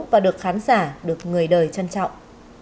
và được khán giả được người đời trân trọng